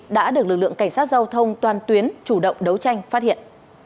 đã được lực lượng cảnh sát giao thông toàn tuyến chủ động đấu tranh phát hiện